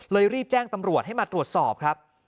รีบแจ้งตำรวจให้มาตรวจสอบครับ